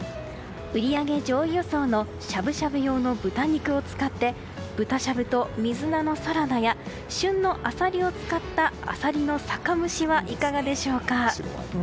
売り上げ上位予想のしゃぶしゃぶ用の豚肉を使って豚しゃぶと水菜のサラダや旬のアサリを使ったアサリの酒蒸しはいかがでしょうか。